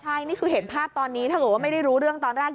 ใช่นี่คือเห็นภาพตอนนี้ถ้าเกิดว่าไม่ได้รู้เรื่องตอนแรก